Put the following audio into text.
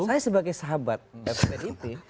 sebagai sahabat pdp